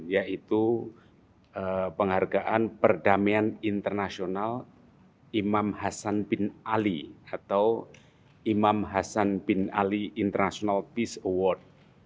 yaitu penghargaan perdamaian internasional imam hasan bin ali atau imam hasan bin ali international peace award